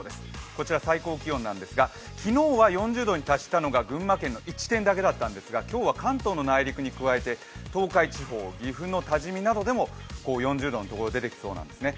こちら、最高気温なんですが、昨日は４０度に達したのが群馬県の１地点だけだったんですが今日は関東の内陸に加えて東海地方、岐阜の多治見などでも４０度のところが出てきそうなんです